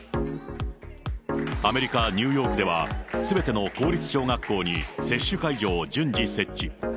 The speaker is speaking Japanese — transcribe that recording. アメリカ・ニューヨークでは、すべての公立小学校に接種会場を順次設置。